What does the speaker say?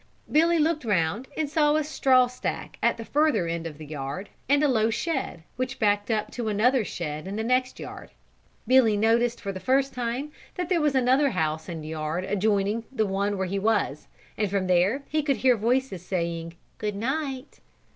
Billy looked round and saw a straw stack at the further end of the yard and a low shed, which backed up to another shed in the next yard. Billy noticed for the first time that there was another house and yard adjoining the one where he was and from there he could hear voices saying, "Good night."